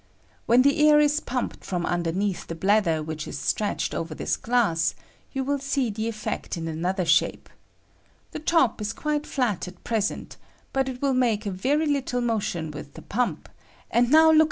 When the air is pumped from underneath the bladder which is stretched over this glass, you wUl see the effect in another shape : the top is quite flat at present, but I will make a very little motion with the pump, and now look 184 WEIGHT OF THE ATMOSPHERE.